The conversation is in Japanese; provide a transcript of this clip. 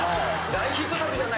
大ヒット作じゃないですか。